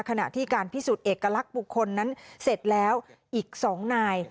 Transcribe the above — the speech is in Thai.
ขณะที่การพิสูจน์เอกลักษณ์บุคคลนั้นเสร็จแล้วอีก๒นาย